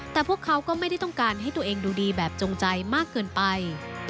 แต่พวกเขาก็ไม่ได้ต้องการให้ตัวเองดูดีแบบจงใจมากเกินไป